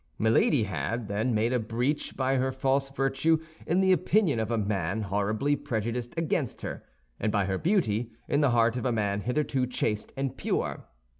Milady had, then, made a breach by her false virtue in the opinion of a man horribly prejudiced against her, and by her beauty in the heart of a man hitherto chaste and pure.